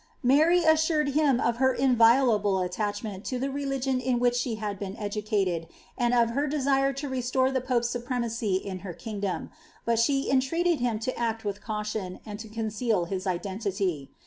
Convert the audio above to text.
Mary assure<l him of her inviolable attachment to the religion in which she had been educated, and of her desire to restore the pope's supremacy in her kingdom ; but she en treated him to act with caution, and to conceal his identity.